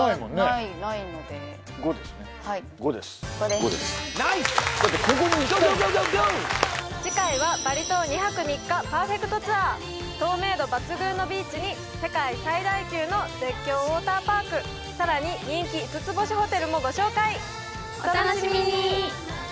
だってここに行きたいもん次回はバリ島２泊３日パーフェクトツアー透明度抜群のビーチに世界最大級の絶叫ウォーターパークさらに人気５つ星ホテルもご紹介お楽しみに！